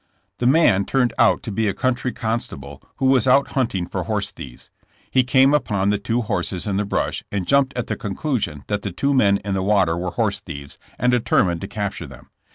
The man turned out to be a country constable who was out hunting for horse thieves. He came upon the two horses in the brush and jumped at the conclusion that the two men in the water were horse 82 JKSSS JAMES. thieves, and determined to capture them.